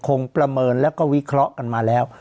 ประเมินแล้วก็วิเคราะห์กันมาแล้ว